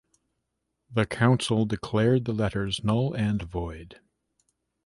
The Council declared the letters null and void.